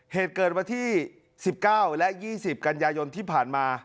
เหตุเกิดวันที่๑๙และ๒๐กันยายนที่ผ่านมา